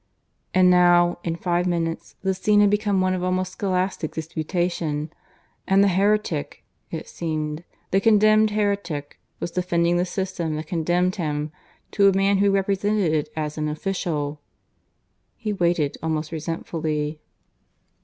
And now, in five minutes, the scene had become one of almost scholastic disputation; and the heretic, it seemed the condemned heretic was defending the system that condemned him to a man who represented it as an official! He waited, almost resentfully.